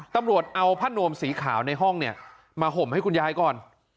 ตำรวจเอาผ้านวมสีขาวในห้องเนี่ยมาห่มให้คุณยายก่อน